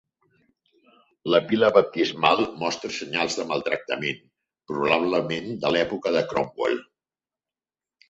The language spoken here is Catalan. La pila baptismal mostra senyals de maltractament, probablement de l'època de Cromwell.